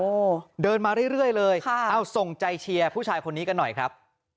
โอ้โหเดินมาเรื่อยเรื่อยเลยค่ะเอาส่งใจเชียร์ผู้ชายคนนี้กันหน่อยครับ